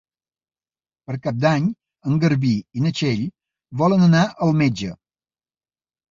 Per Cap d'Any en Garbí i na Txell volen anar al metge.